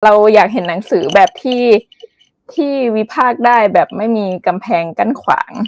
เราอยากเห็นหนังสือแบบที่วิพากษ์ได้แบบไม่มีกำแพงกั้นขวาง